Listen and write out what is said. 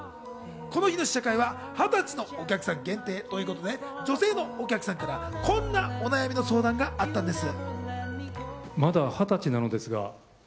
この日の試写会は２０歳のお客さん限定ということで、女性のお客さんからこんなお悩みの相談があったんです。